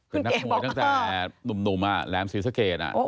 เป็นนักมวยตั้งแต่หนุ่มแหลมเสียสะเกรด